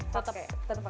tetep pakai minyak